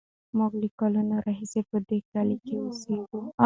موږ له کلونو راهیسې په دې کلي کې اوسېږو.